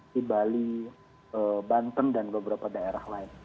di bali banten dan beberapa daerah lain